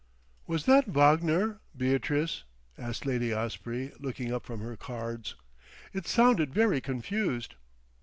"Was that Wagner, Beatrice?" asked Lady Osprey looking up from her cards. "It sounded very confused."